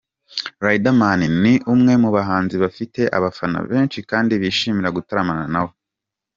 Riderman ni umwe mu bahanzi bafite abafana benshi kandi bishimira gutaramana nawe.